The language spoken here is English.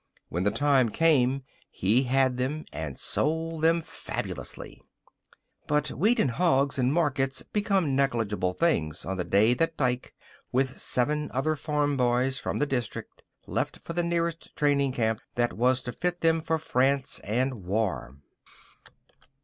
When the time came, he had them, and sold them fabulously. But wheat and hogs and markets became negligible things on the day that Dike, with seven other farm boys from the district, left for the nearest training camp that was to fit them for France and war.